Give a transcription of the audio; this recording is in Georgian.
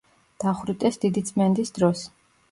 დახვრიტეს დიდი წმენდის დროს.